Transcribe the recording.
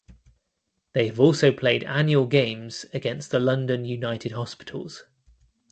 They have also played annual games against the London United Hospitals.